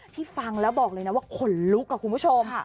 ฟังแล้วบอกเลยนะว่าขนลุกค่ะคุณผู้ชม